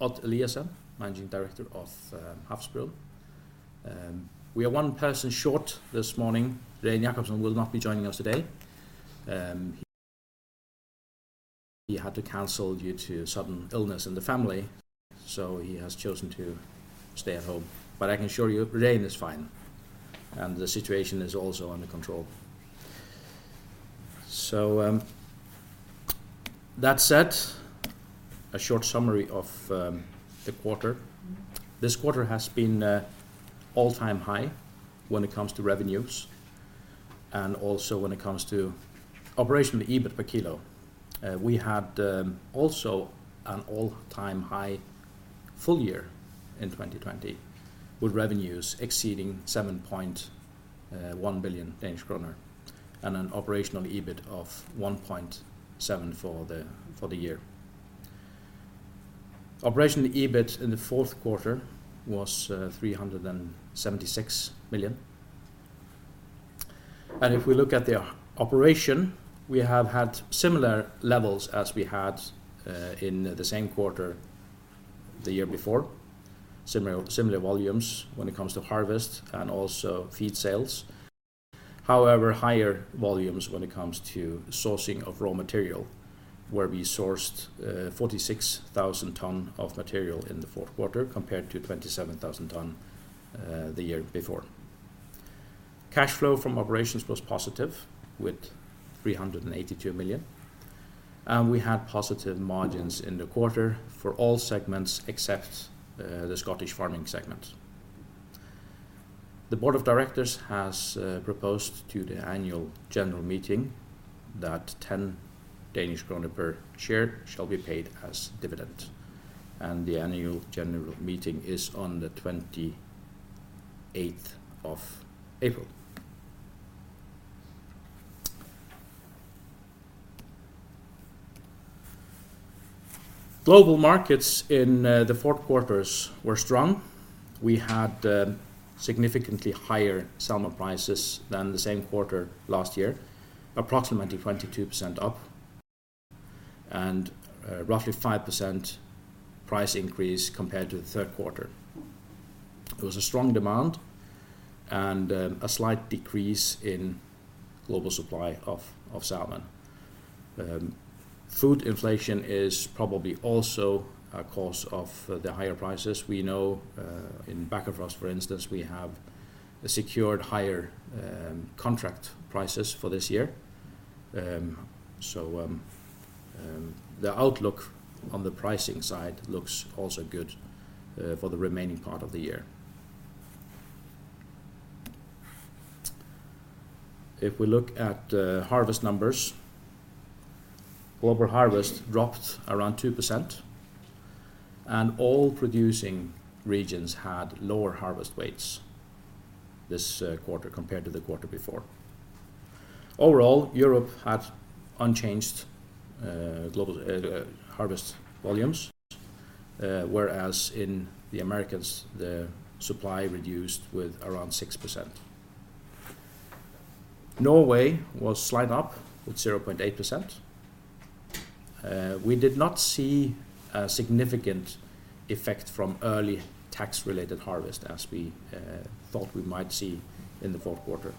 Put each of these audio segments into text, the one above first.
Odd Eliasen, Managing Director of Havsbrún. We are one person short this morning. Regin Jacobsen will not be joining us today. He had to cancel due to sudden illness in the family. He has chosen to stay at home. I can assure you Regin is fine, and the situation is also under control. That said, a short summary of the quarter. This quarter has been all-time high when it comes to revenues and also when it comes to Operational EBIT per kg. We had also an all-time high full year in 2020, with revenues exceeding 7.1 billion Danish kroner and an Operational EBIT of 1.7 billion for the year. Operational EBIT in the fourth quarter was 376 million. If we look at the operation, we have had similar levels as we had in the same quarter the year before. Similar volumes when it comes to harvest and also feed sales. However, higher volumes when it comes to sourcing of raw material, where we sourced 46,000 tons of material in the fourth quarter compared to 27,000 tons the year before. Cash flow from operations was positive with 382 million, and we had positive margins in the quarter for all segments except the Scottish farming segment. The board of directors has proposed to the AGM that 10 Danish krone per share shall be paid as dividend, and the AGM is on the 28th of April. Global markets in the fourth quarters were strong. We had significantly higher salmon prices than the same quarter last year, approximately 22% up and roughly 5% price increase compared to the third quarter. It was a strong demand and a slight decrease in global supply of salmon. Food inflation is probably also a cause of the higher prices. We know in Bakkafrost, for instance, we have secured higher contract prices for this year. The outlook on the pricing side looks also good for the remaining part of the year. If we look at harvest numbers, global harvest dropped around 2% and all producing regions had lower harvest weights this quarter compared to the quarter before. Overall, Europe had unchanged global harvest volumes, whereas in the Americas, the supply reduced with around 6%. Norway was slight up with 0.8%. We did not see a significant effect from early tax-related harvest as we thought we might see in the fourth quarter.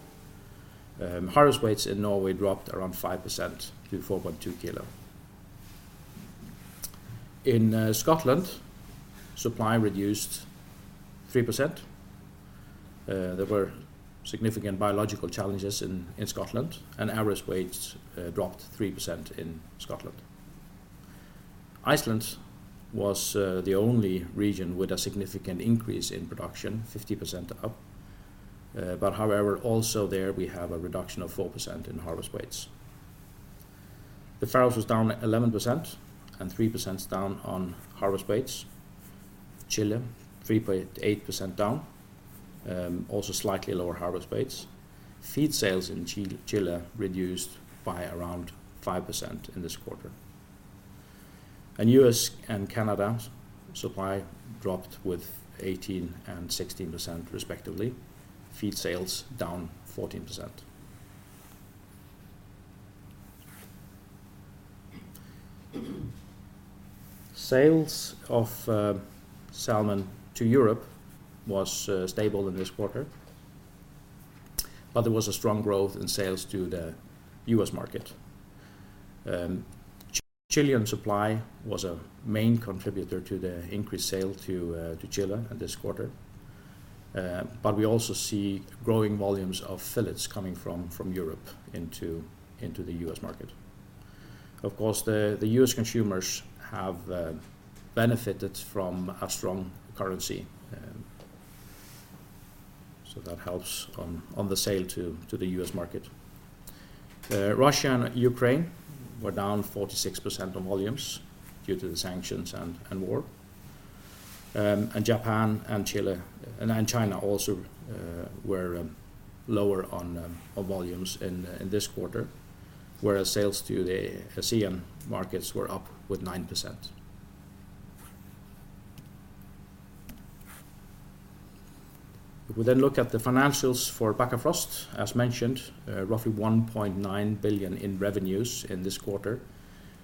Harvest weights in Norway dropped around 5% to 4.2 kg. In Scotland, supply reduced 3%. There were significant biological challenges in Scotland, and harvest weights dropped 3% in Scotland. Iceland was the only region with a significant increase in production, 50% up. However, also there we have a reduction of 4% in harvest weights. The Faroes was down 11% and 3% down on harvest weights. Chile 3.8% down, also slightly lower harvest weights. Feed sales in Chile reduced by around 5% in this quarter. In the U.S. and Canada, supply dropped with 18% and 16% respectively. Feed sales down 14%. Sales of salmon to Europe was stable in this quarter, but there was a strong growth in sales to the U.S. market. Chilean supply was a main contributor to the increased sale to Chile in this quarter. We also see growing volumes of fillets coming from Europe into the U.S. market. Of course, the U.S. consumers have benefited from a strong currency, so that helps on the sale to the U.S. market. Russia and Ukraine were down 46% on volumes due to the sanctions and war. Japan and Chile and China also were lower on volumes in this quarter, whereas sales to the ASEAN markets were up with 9%. We then look at the financials for Bakkafrost, as mentioned, roughly 1.9 billion in revenues in this quarter,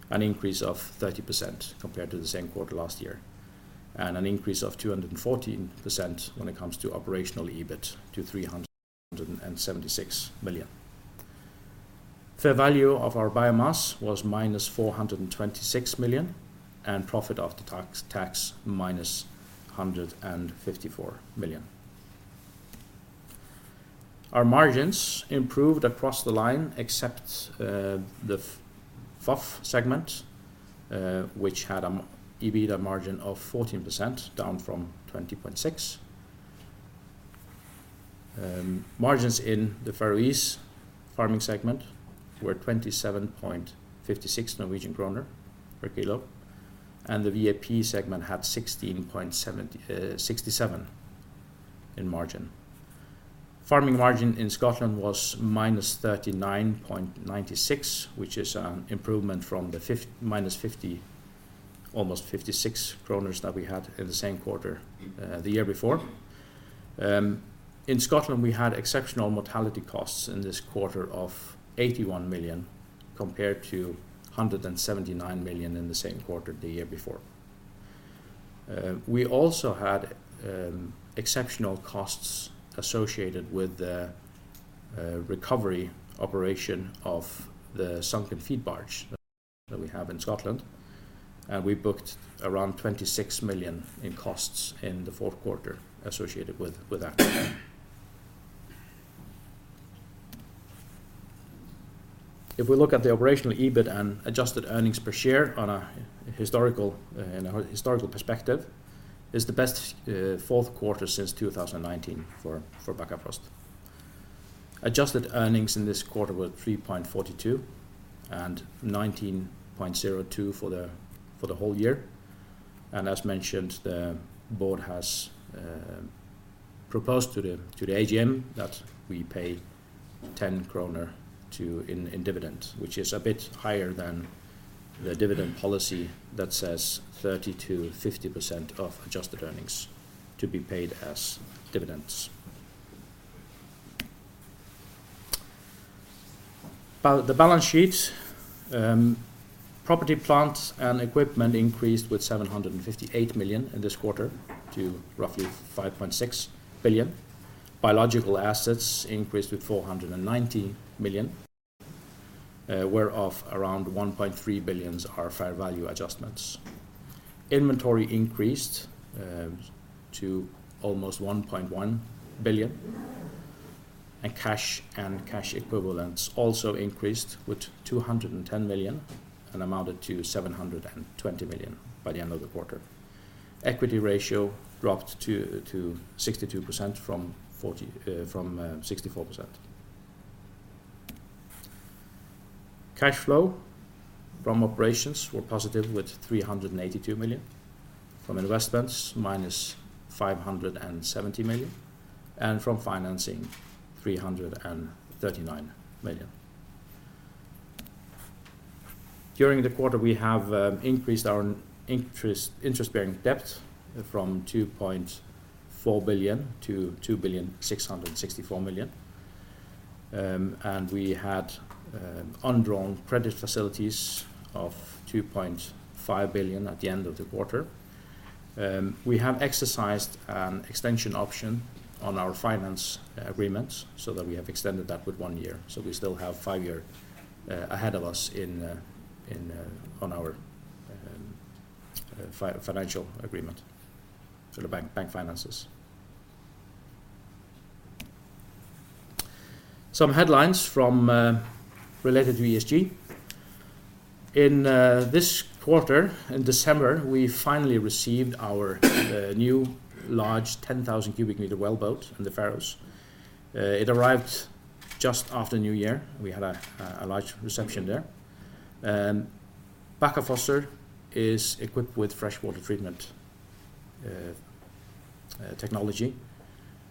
an increase of 30% compared to the same quarter last year, and an increase of 214% when it comes to Operational EBIT to 376 million. Fair value of our biomass was minus 426 million and profit after tax minus 154 million. Our margins improved across the line except the FOF segment, which had an EBITDA margin of 14%, down from 20.6%. Margins in the Faroese farming segment were 27.56 Norwegian kroner per kg, and the VAP segment had 16.67 in margin. Farming margin in Scotland was -39.96 NOK, which is an improvement from the -50, almost 56 kroner that we had in the same quarter the year before. In Scotland, we had exceptional mortality costs in this quarter of 81 million compared to 179 million in the same quarter the year before. We also had exceptional costs associated with the recovery operation of the sunken feed barge that we have in Scotland, and we booked around 26 million in costs in the fourth quarter associated with that. If we look at the Operational EBIT and adjusted earnings per share on a historical perspective, it's the best fourth quarter since 2019 for Bakkafrost. Adjusted earnings in this quarter were 3.42 NOK and 19.02 NOK for the whole year. As mentioned, the board has proposed to the AGM that we pay 10 kroner in dividend, which is a bit higher than the dividend policy that says 30%-50% of adjusted earnings to be paid as dividends. The balance sheet, property plants and equipment increased with 758 million in this quarter to roughly 5.6 billion. Biological assets increased with 490 million, whereof around 1.3 billion are fair value adjustments. Inventory increased to almost 1.1 billion. Cash and cash equivalents also increased with 210 million and amounted to 720 million by the end of the quarter. Equity ratio dropped to 62% from 64%. Cash flow from operations were positive with 382 million, from investments minus 570 million, and from financing 339 million. During the quarter, we have increased our interest-bearing debt from 2.4 billion to 2.664 billion. We had undrawn credit facilities of 2.5 billion at the end of the quarter. We have exercised an extension option on our finance agreements so that we have extended that with one year. We still have five years ahead of us on our financial agreement for the bank finances. Some headlines related to ESG. In this quarter, in December, we finally received our new large 10,000 cu m wellboat in the Faroes. It arrived just after New Year. We had a large reception there. Bakkafossur is equipped with freshwater treatment technology.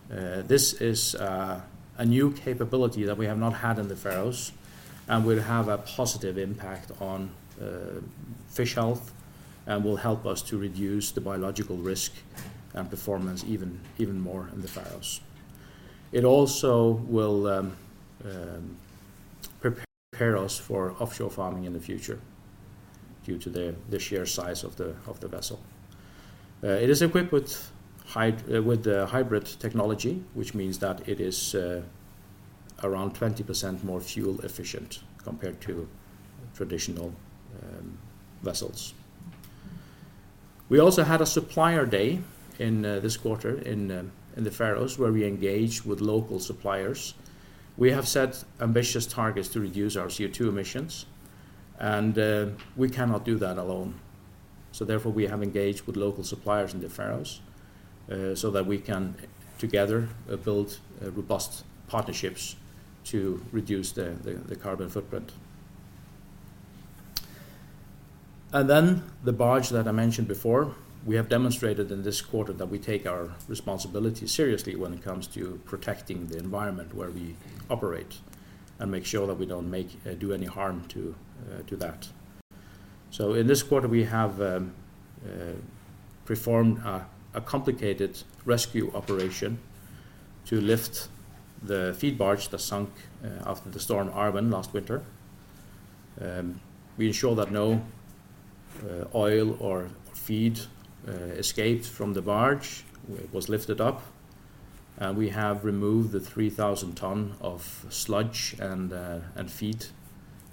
This is a new capability that we have not had in the Faroes and will have a positive impact on fish health and will help us to reduce the biological risk and performance even more in the Faroes. It also will prepare us for offshore farming in the future due to the sheer size of the vessel. It is equipped with hybrid technology, which means that it is around 20% more fuel efficient compared to traditional vessels. We also had a supplier day in this quarter in the Faroes where we engaged with local suppliers. We have set ambitious targets to reduce our CO2 emissions and we cannot do that alone. Therefore we have engaged with local suppliers in the Faroes so that we can together build robust partnerships to reduce the carbon footprint. The barge that I mentioned before, we have demonstrated in this quarter that we take our responsibility seriously when it comes to protecting the environment where we operate and make sure that we don't do any harm to that. In this quarter we have performed a complicated rescue operation to lift the feed barge that sunk after the Storm Arwen last winter. We ensure that no oil or feed escaped from the barge. It was lifted up, and we have removed the 3,000 tons of sludge and feed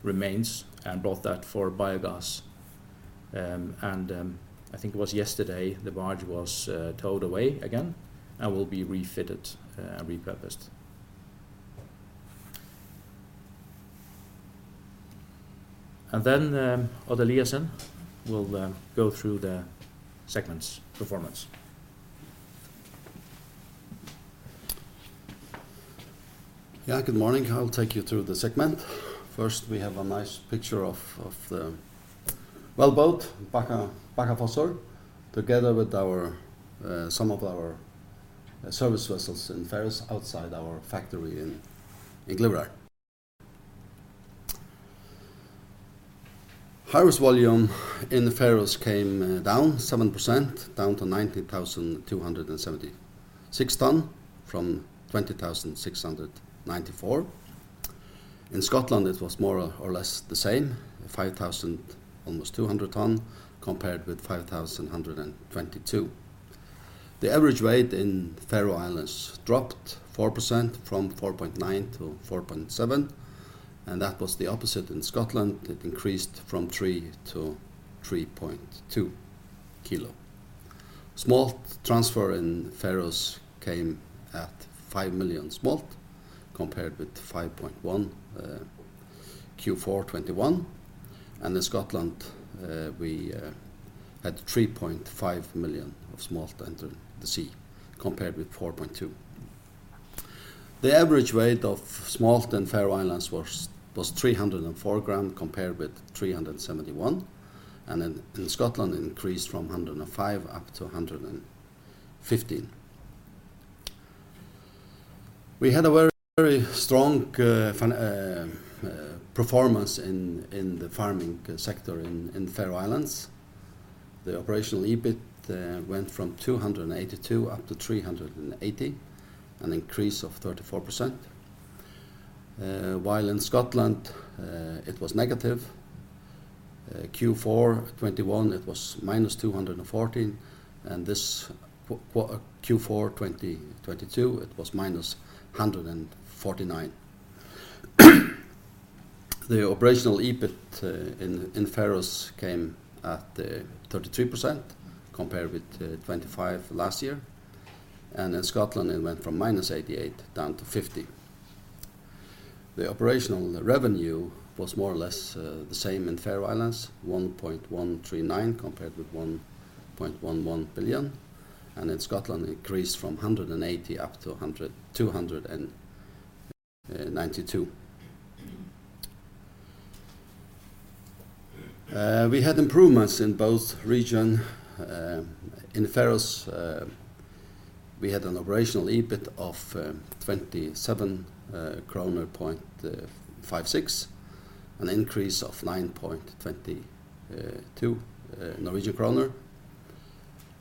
remains and brought that for biogas. I think it was yesterday, the barge was towed away again and will be refitted and repurposed. Odd Eliasen will go through the segment's performance. Yeah. Good morning. I'll take you through the segment. First, we have a nice picture of the wellboat Bakkafossur together with our some of our service vessels in Faroes outside our factory in Glyvrar. Harvest volume in the Faroes came down 7%, down to 19,276 tons from 20,694. In Scotland, it was more or less the same, almost 5,200 tons compared with 5,122. The average weight in Faroe Islands dropped 4% from 4.9 to 4.7, and that was the opposite in Scotland. It increased from 3kg to 3.2 kg. Smolt transfer in Faroes came at 5 million smolt compared with 5.1, Q4 2021. In Scotland, we had 3.5 million of smolt enter the sea compared with 4.2. The average weight of smolt in Faroe Islands was 304 g compared with 371. In Scotland, it increased from 105 up to 115. We had a very strong performance in the farming sector in Faroe Islands. The Operational EBIT went from 282 up to 380, an increase of 34%. While in Scotland, it was negative. Q4 2021, it was -214, and this Q4 2022, it was -149. The Operational EBIT in Faroes came at 33% compared with 25% last year and in Scotland it went from -88% down to 50%. The operational revenue was more or less the same in Faroe Islands, 1.139 billion compared with 1.11 billion, and in Scotland increased from 180 million up to 292 million. We had improvements in both regions. In Faroes, we had an Operational EBIT of 27.56 kroner, an increase of 9.22 Norwegian kroner.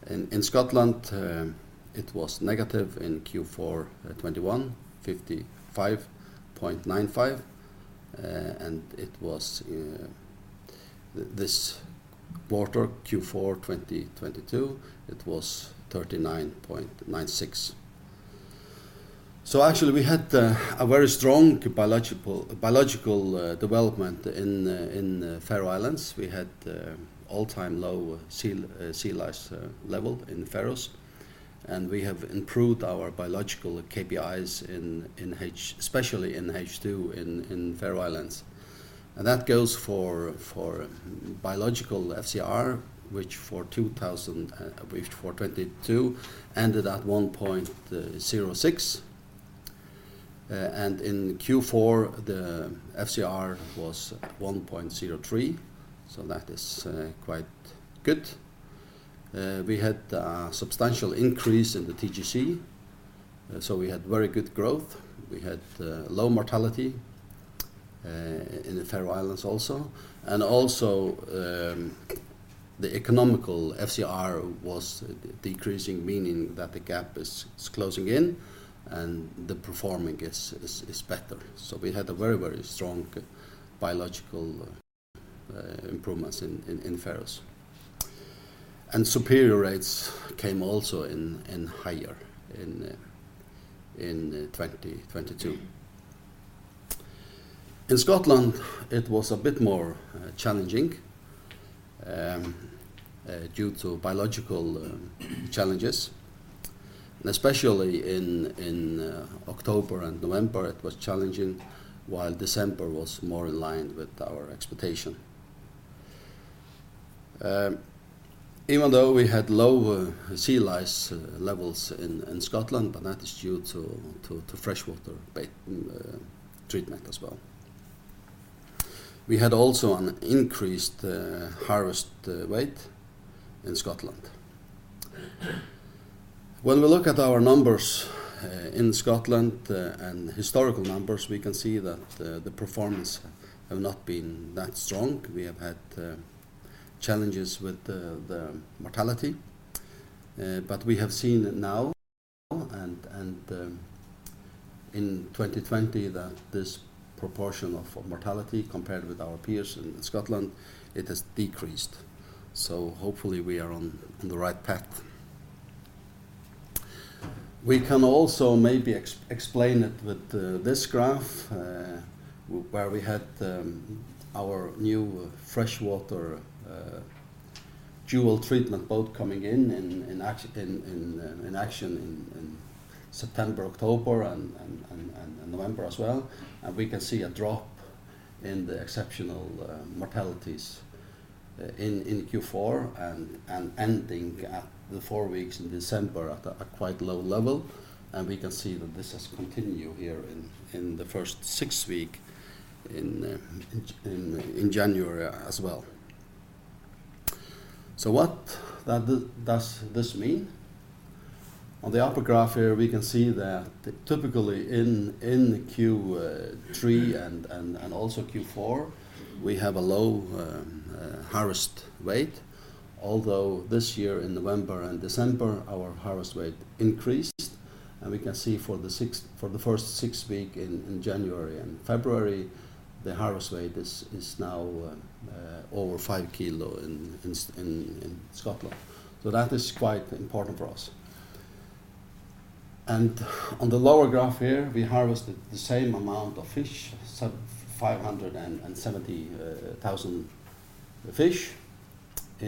In Scotland, it was negative in Q4 2021, NOK -55.95. And it was this quarter, Q4 2022, it was 39.96. Actually we had a very strong biological development in Faroe Islands. We had all-time low sea lice level in Faroes. We have improved our biological KPIs in H2 in Faroe Islands. That goes for biological FCR which for 2022 ended at 1.06. In Q4 the FCR was 1.03, that is quite good. We had a substantial increase in the TGC, we had very good growth. We had low mortality in the Faroe Islands also. Also, the economical FCR was decreasing meaning that the gap is closing in and the performing is better. We had a very strong biological improvements in Faroes. Superior rates came also in higher in 2022. In Scotland, it was a bit more challenging due to biological challenges, and especially in October and November it was challenging, while December was more in line with our expectation. Even though we had low sea lice levels in Scotland, but that is due to freshwater treatment as well. We had also an increased harvest weight in Scotland. When we look at our numbers in Scotland, and historical numbers, we can see that the performance have not been that strong. We have had challenges with the mortality. But we have seen now and in 2020 that this proportion of mortality compared with our peers in Scotland, it has decreased. Hopefully we are on the right path. We can also maybe explain it with this graph where we had our new freshwater dual treatment boat coming in action in September, October and November as well. We can see a drop in the exceptional mortalities in Q4 ending at the four weeks in December at a quite low level. We can see that this has continued here in the first 6 week in January as well. What that does this mean? On the upper graph here, we can see that typically in Q3 and also Q4, we have a low harvest weight. Although this year in November and December, our harvest weight increased. We can see for the first six week in January and February, the harvest weight is now over 5 kg in Scotland. That is quite important for us. On the lower graph here, we harvested the same amount of fish, 570,000 fish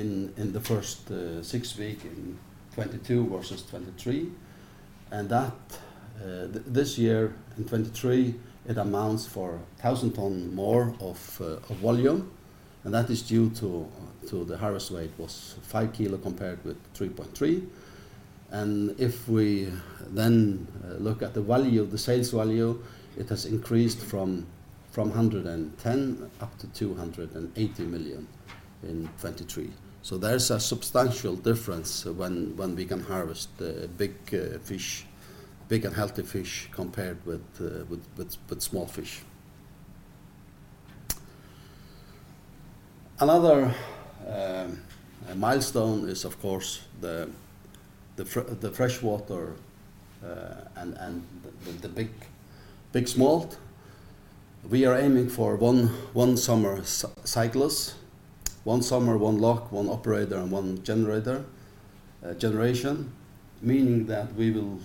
in the first six week in 2022 versus 2023. That this year in 2023, it amounts for 1,000 ton more of volume, and that is due to the harvest weight was 5 kg compared with 3.3. If we then look at the value, the sales value, it has increased from 110 million up to 280 million in 2023. There's a substantial difference when we can harvest the big fish, big and healthy fish compared with small fish. Another milestone is of course the freshwater and the big smolt. We are aiming for one summer cycles. One summer, one loch, one operator, and one generation. Meaning that we will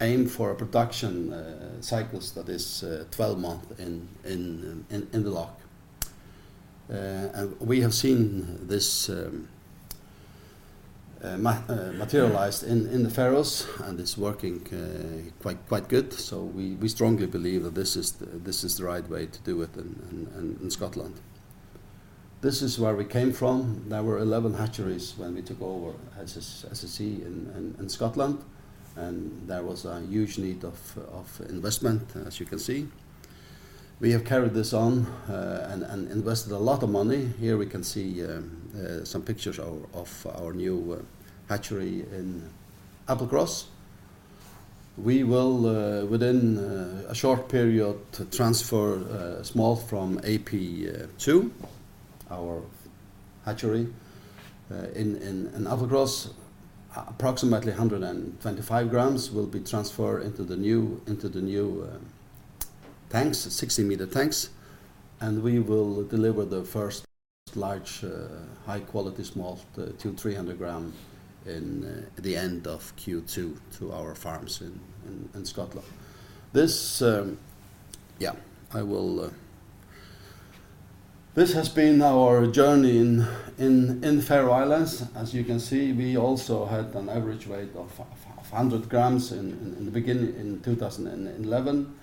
aim for a production cycles that is 12 month in the loch. We have seen this materialized in the Faroes, and it's working quite good. We strongly believe that this is the right way to do it in Scotland. This is where we came from. There were 11 hatcheries when we took over as a C in Scotland, there was a huge need of investment, as you can see. We have carried this on and invested a lot of money. Here we can see some pictures of our new hatchery in Applecross. We will within a short period transfer smolt from Applecross, two, our hatchery in Applecross. Approximately 125 g will be transferred into the new tanks, 60 m tanks. We will deliver the first large, high-quality smolt to 300 g in the end of Q2 to our farms in Scotland. This yeah, I will... This has been our journey in Faroe Islands. As you can see, we also had an average weight of 100 g in the beginning, in 2011,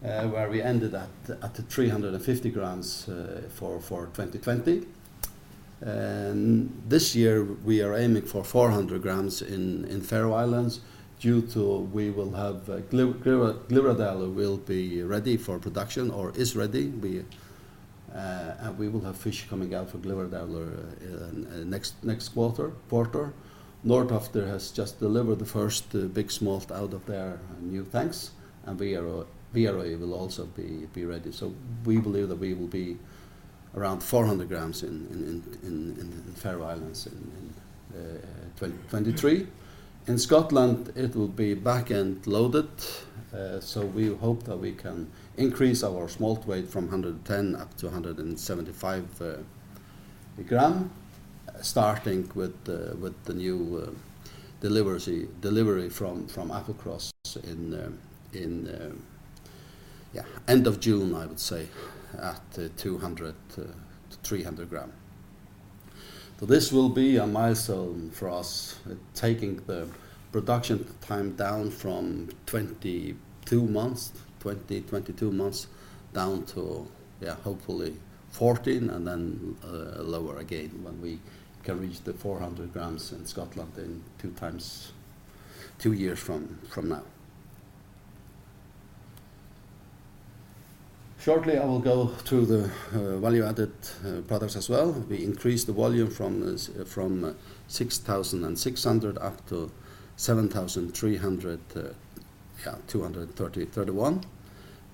where we ended at 350 g for 2020. This year we are aiming for 400 g in Faroe Islands due to we will have Glyvradal will be ready for production or is ready. We will have fish coming out from Glyvradal in next quarter. Norðtoftir has just delivered the first big smolt out of their new tanks. Viðareiði will also be ready. We believe that we will be around 400 g in the Faroe Islands in 2023. In Scotland, it will be back-end loaded. We hope that we can increase our smolt weight from 110 g up to 175 g. Starting with the new delivery from Applecross in end of June, I would say, at 200 g-300 g. This will be a milestone for us, taking the production time down from 22 months down to hopefully 14 and then lower again when we can reach the 400 g in Scotland in two times, two years from now. Shortly, I will go through the Value-Added Products as well. We increased the volume from 6,600 up to 7,300, 231.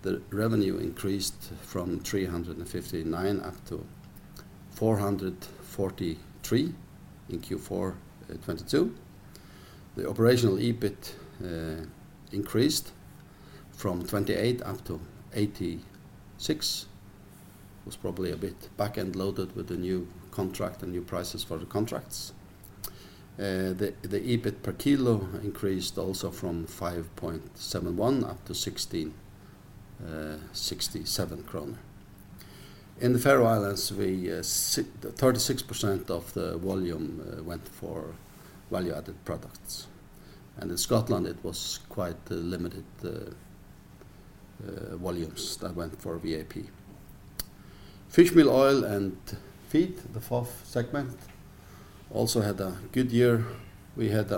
The revenue increased from 359 up to 443 in Q4 2022. The Operational EBIT increased from 28 up to 86. Was probably a bit back-end loaded with the new contract and new prices for the contracts. The EBIT per kg increased also from 5.71 up to 16.67 kroner. In the Faroe Islands, we 36% of the volume went for value-added products, and in Scotland, it was quite limited volumes that went for VAP. Fishmeal Oil and Feed, the FOF segment, also had a good year. We had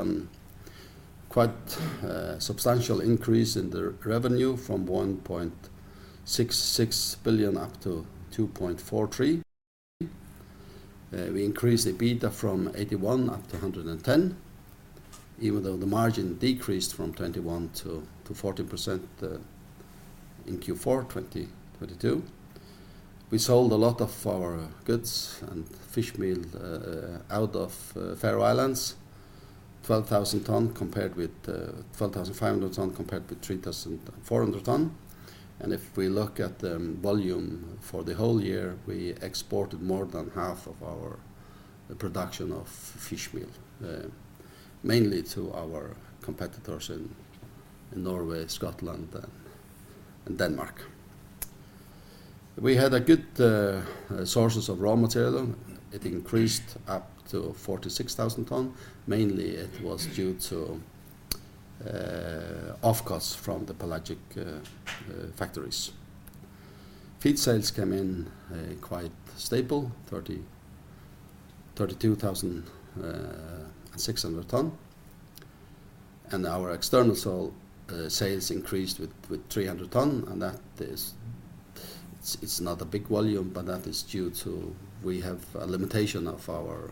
quite a substantial increase in the revenue from 1.66 billion up to 2.43 billion. We increased the EBITDA from 81 up to 110, even though the margin decreased from 21% to 14% in Q4 2022. We sold a lot of our goods and fishmeal out of Faroe Islands, 12,000 tons compared with 12,500 tons compared with 3,400 tons. If we look at the volume for the whole year, we exported more than half of our production of fishmeal mainly to our competitors in Norway, Scotland, and Denmark. We had good sources of raw material. It increased up to 46,000 tons. Mainly it was due to offcuts from the pelagic factories. Feed sales came in quite stable, 32,600 tons. Our external sales increased with 300 tons, and that is, it's not a big volume, but that is due to we have a limitation of our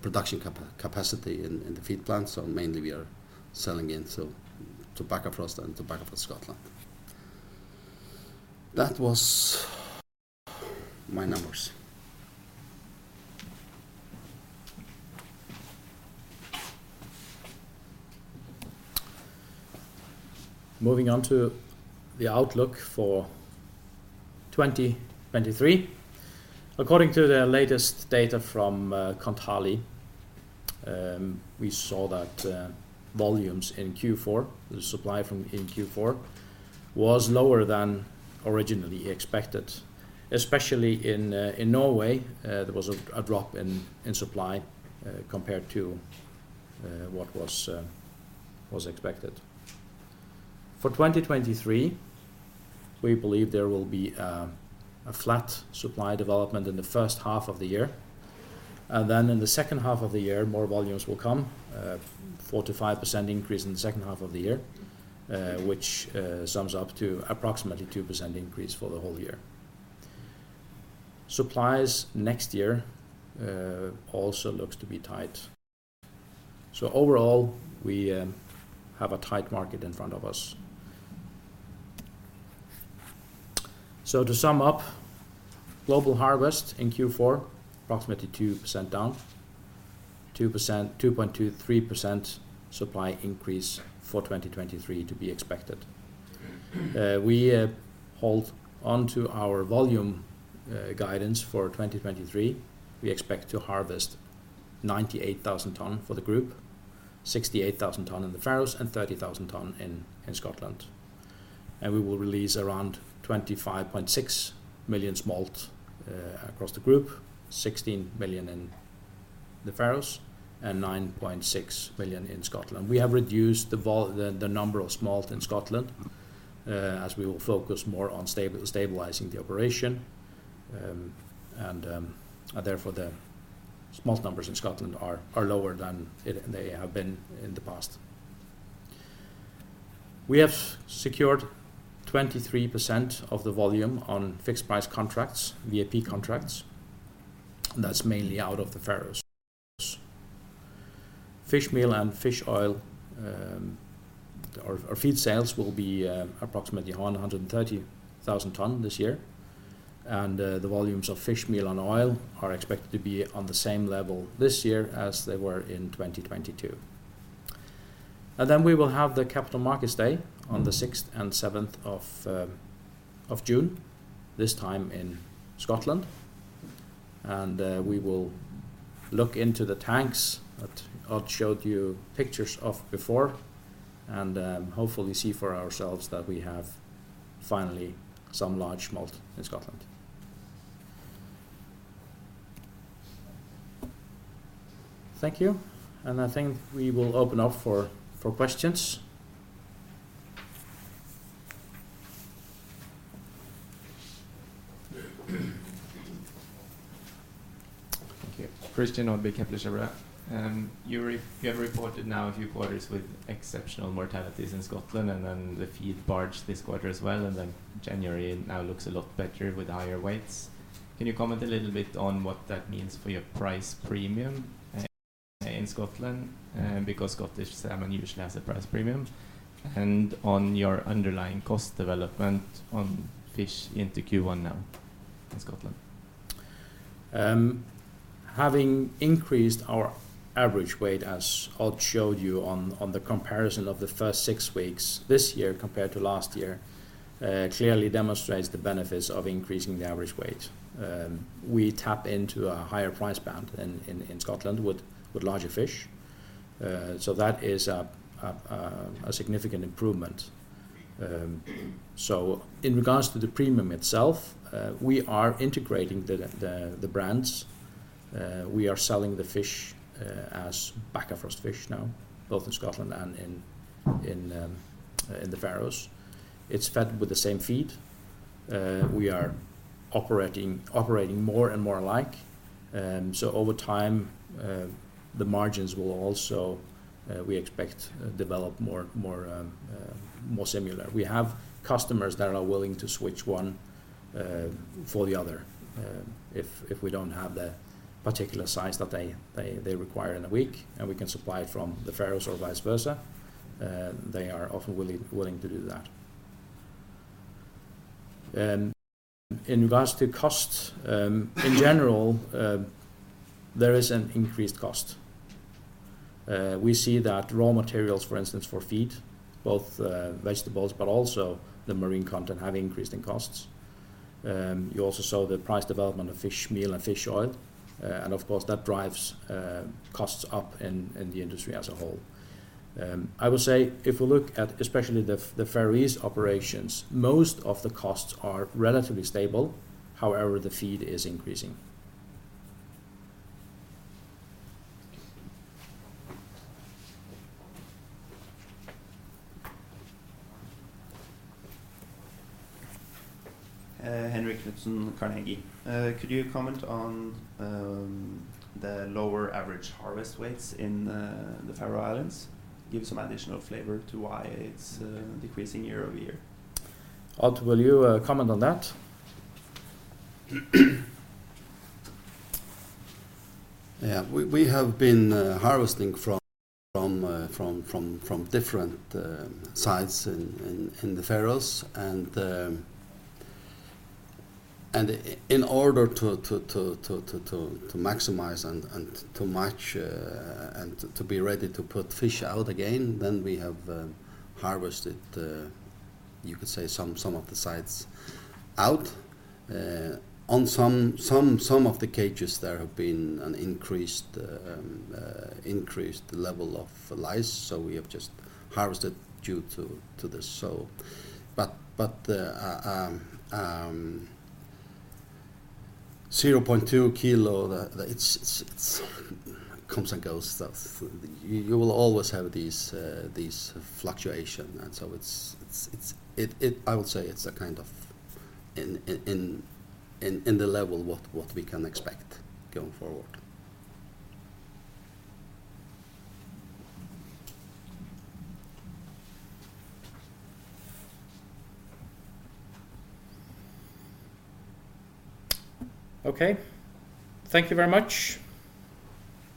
production capacity in the feed plant, so mainly we are selling into Bakkafrost and Bakkafrost Scotland. That was my numbers. Moving on to the outlook for 2023. According to the latest data from Kontali, we saw that volumes in Q4, the supply in Q4 was lower than originally expected. Especially in Norway, there was a drop in supply compared to what was expected. For 2023, we believe there will be a flat supply development in the first half of the year. Then in the second half of the year, more volumes will come, 4% to 5% increase in the second half of the year, which sums up to approximately 2% increase for the whole year. Supplies next year also looks to be tight. Overall, we have a tight market in front of us. To sum up, global harvest in Q4 approximately 2% down, 2.23% supply increase for 2023 to be expected. We hold onto our volume guidance for 2023. We expect to harvest 98,000 tons for the group, 68,000 tons in the Faroes, and 30,000 tons in Scotland. We will release around 25.6 million smolt across the group, 16 million in the Faroes, and 9.6 million in Scotland. We have reduced the number of smolt in Scotland as we will focus more on stabilizing the operation. Therefore, the smolt numbers in Scotland are lower than they have been in the past. We have secured 23% of the volume on fixed price contracts, VAP contracts, that's mainly out of the Faroes. Fishmeal and fish oil, our feed sales will be approximately 130,000 tons this year. The volumes of fishmeal and oil are expected to be on the same level this year as they were in 2022. We will have the Capital Markets Day on the sixth and seventh of June, this time in Scotland. We will look into the tanks that Odd showed you pictures of before and hopefully see for ourselves that we have finally some large smolt in Scotland. Thank you, I think we will open up for questions. Thank you. Christian. You have reported now a few quarters with exceptional mortalities in Scotland and then the feed barge this quarter as well. January now looks a lot better with higher weights. Can you comment a little bit on what that means for your price premium in Scotland? Because Scottish salmon usually has a price premium. On your underlying cost development on fish into Q1 now in Scotland. Having increased our average weight as Odd showed you on the comparison of the first 6 weeks this year compared to last year, clearly demonstrates the benefits of increasing the average weight. We tap into a higher price band in Scotland with larger fish. That is a significant improvement. In regards to the premium itself, we are integrating the brands. We are selling the fish as Bakkafrost fish now, both in Scotland and in the Faroes. It's fed with the same feed. We are operating more and more alike. Over time, the margins will also, we expect, develop more similar. We have customers that are willing to switch one for the other, if we don't have the particular size that they require in a week and we can supply from the Faroes or vice versa, they are often willing to do that. In regards to costs, in general, there is an increased cost. We see that raw materials, for instance, for feed both, vegetables but also the marine content have increased in costs. You also saw the price development of fishmeal and fish oil, and of course that drives costs up in the industry as a whole. I would say if we look at especially the Faroese operations, most of the costs are relatively stable. However, the feed is increasing. Henrik Knutsen, Carnegie. Could you comment on the lower average harvest weights in the Faroe Islands? Give some additional flavor to why it's decreasing year-over-year. Odd, will you comment on that? Yeah. We have been harvesting from different sites in the Faroes. In order to maximize and to match and to be ready to put fish out again, then we have harvested, you could say some of the sites out. On some of the cages there have been an increased level of lice, so we have just harvested due to this. But 0.2 kg, the It's comes and goes stuff. You will always have these fluctuations. It's I would say it's a kind of in the level what we can expect going forward. Okay. Thank you very much.